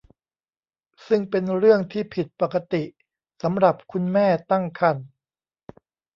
ซึ่งเป็นเรื่องที่ผิดปกติสำหรับคุณแม่ตั้งครรภ์